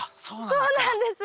そうなんです。